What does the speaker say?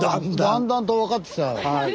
だんだんとわかってきた。